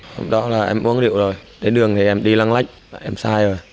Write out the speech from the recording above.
hôm đó là em uống rượu rồi đến đường thì em đi lạng lách em say rồi